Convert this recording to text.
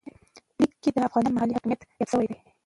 لیک کې د افغانستان ملي حاکمیت یاد شوی و.